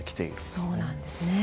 そうなんですね。